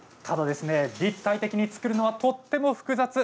ただ立体的に作るのはとても複雑。